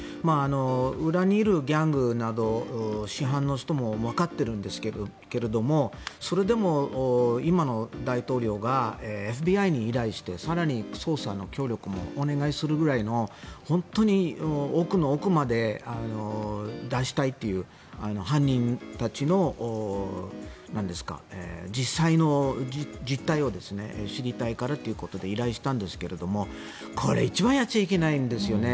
裏にいるギャングなど主犯の人もわかっているんですがそれでも今の大統領がＦＢＩに依頼して更に、捜査の協力もお願いするくらいの本当に奥の奥まで出したいという犯人たちの実際の実態を知りたいからっていうことで依頼したんですがこれ一番やっちゃいけないんですよね。